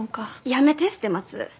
やめて捨松。